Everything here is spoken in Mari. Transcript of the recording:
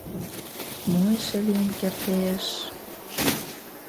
Мо эше лийын кертеш...